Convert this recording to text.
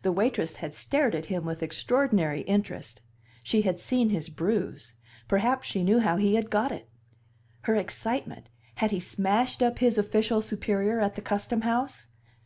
The waitress had stared at him with extraordinary interest; she had seen his bruise; perhaps she knew how he had got it. Her excitement had he smashed up his official superior at the custom house?